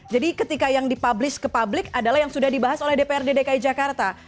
jadi ketika yang dipublish ke publik adalah yang sudah dibahas oleh dpr dki jakarta